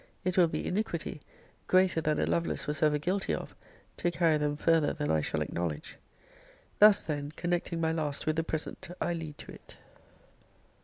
It will be iniquity, greater than a Lovelace was ever guilty of, to carry them farther than I shall acknowledge. Thus then, connecting my last with the present, I lead to it.